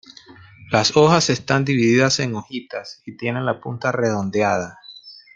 Las hojas están divididas en hojitas y tienen la punta redondeada.